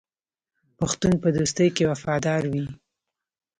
پښتون په دوستۍ کې وفادار وي.